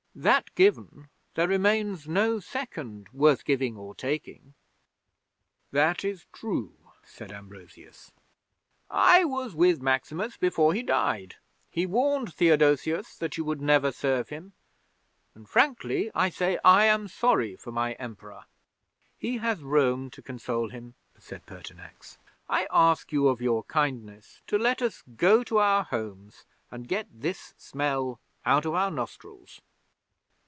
That given, there remains no second worth giving or taking." '"That is true," said Ambrosius. "I was with Maximus before he died. He warned Theodosius that you would never serve him, and frankly I say I am sorry for my Emperor." '"He has Rome to console him," said Pertinax. "I ask you of your kindness to let us go to our homes and get this smell out of our nostrils."